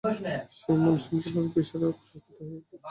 সে-মন সম্পূর্ণরূপে ঈশ্বরে অর্পিত হইয়াছিল।